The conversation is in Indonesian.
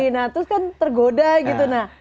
nah terus kan tergoda gitu